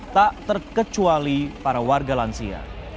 tak terkecuali para warga lansia